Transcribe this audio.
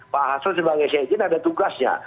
pak hasro sebagai saya ini ada tugasnya